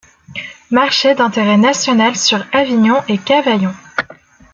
Marchés d'intérêt national sur Avignon et Cavaillon.